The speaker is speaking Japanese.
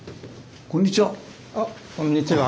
あっこんにちは。